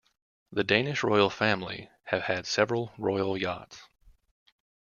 The Danish royal family have had several royal yachts.